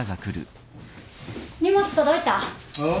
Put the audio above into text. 荷物届いた？あっ？